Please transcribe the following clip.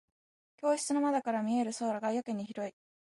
教室の窓から見える空がやけに広い。